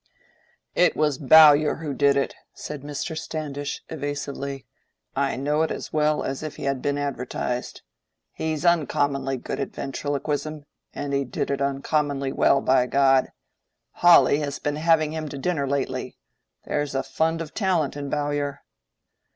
"It was Bowyer who did it," said Mr. Standish, evasively. "I know it as well as if he had been advertised. He's uncommonly good at ventriloquism, and he did it uncommonly well, by God! Hawley has been having him to dinner lately: there's a fund of talent in Bowyer."